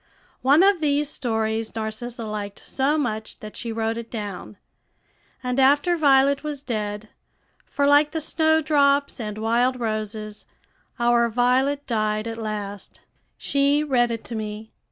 One of these stories Narcissa liked so much that she wrote it down, and after Violet was dead, for, like the snowdrops and wild roses, our Violet died at last, she read it to me.